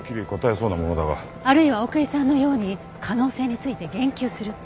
あるいは奥居さんのように可能性について言及するか。